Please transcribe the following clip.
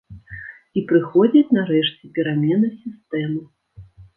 І прыходзіць, нарэшце, перамена сістэмы.